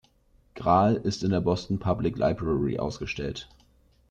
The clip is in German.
Gral“", ist in der Boston Public Library ausgestellt.